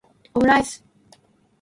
omuraisu